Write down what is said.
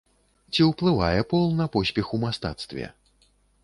Ці ўплывае пол на поспех у мастацтве?